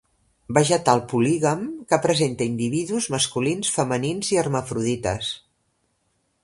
Vegetal polígam que presenta individus masculins, femenins i hermafrodites.